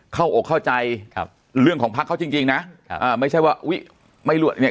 เข้าอกเข้าใจเรื่องของภักดิ์เขาจริงนะไม่ใช่ว่าอุ๊ยไม่รวดเนี่ย